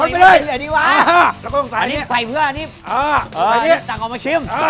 บรรยากาศ